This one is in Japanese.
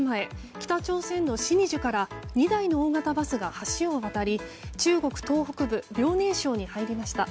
北朝鮮のシニジュから２台の大型バスが橋を渡り中国東北部遼寧省に入りました。